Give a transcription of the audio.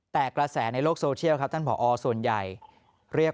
แต่กระแสในโลกโซเชียลครับท่านผอส่วนใหญ่เรียก